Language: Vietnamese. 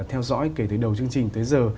theo dõi kể từ đầu chương trình tới giờ